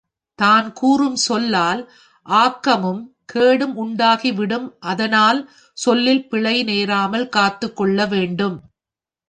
தான் கூறும் சொல்லால் ஆக்கமும் கேடும் உண்டாகிவிடும் அதனால் சொல்லில் பிழை நேராமல் காத்துக்கொள்ள வேண்டும்.